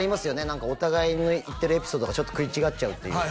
何かお互いの言ってるエピソードがちょっと食い違っちゃうっていう